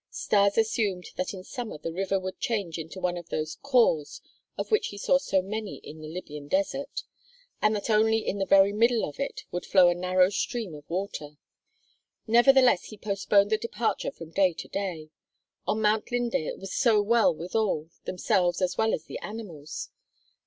Stas assumed that in summer the river would change into one of those "khors," of which he saw many in the Libyan Desert, and that only in the very middle of it would flow a narrow stream of water. Nevertheless, he postponed the departure from day to day. On Mount Linde it was so well with all, themselves as well as the animals!